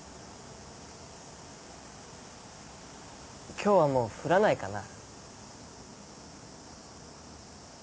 今日はもう降らないかな？